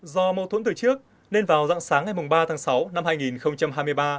do mâu thuẫn từ trước nên vào dặng sáng ngày ba tháng sáu năm hai nghìn hai mươi ba